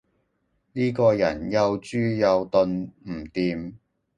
呢個人又豬又鈍，唔掂